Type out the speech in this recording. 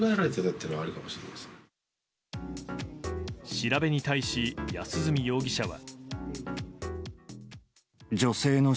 調べに対し、安栖容疑者は。